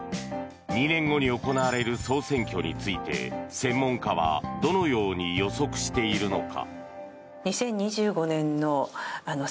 ２年後に行われる総選挙について専門家は、どのように予測しているのか。